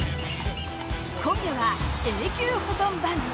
今夜は永久保存版。